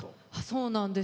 そうなんです。